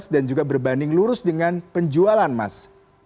bagaimana itu bisa berbanding lurus dengan penjualan mas